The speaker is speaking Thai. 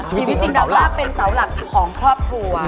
ชีวิตจริงรับว่าเป็นเสาหลักของครอบครัว